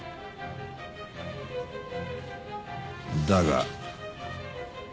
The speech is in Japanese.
だが。